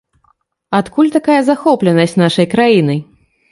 Адкуль такая захопленасць нашай краінай?